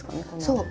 そう。